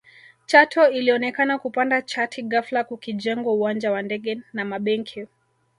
Chato ilionekana kupanda chati ghafla kukijengwa uwanja wa ndege na mabenki